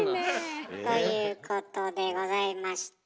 いいねえ。ということでございまして。